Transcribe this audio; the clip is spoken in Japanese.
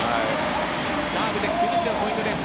サーブで崩したポイントです。